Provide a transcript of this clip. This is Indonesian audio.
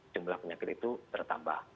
jumlah penyakit itu bertambah